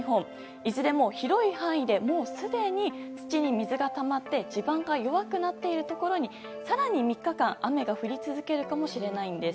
いずれも広い範囲でもうすでに土に水がたまって地盤が弱くなっているところに更に３日間、雨が降り続けるかもしれないんです。